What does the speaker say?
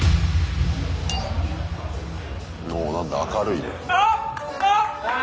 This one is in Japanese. おお何だ明るいね。